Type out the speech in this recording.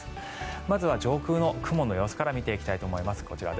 まずは上空の雲の様子から見ていきたいと思います。